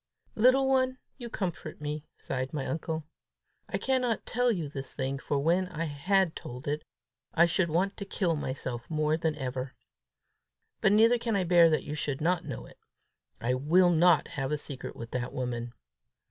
"Little one, you comfort me," sighed my uncle. "I cannot tell you this thing, for when I had told it, I should want to kill myself more than ever. But neither can I bear that you should not know it. I will not have a secret with that woman!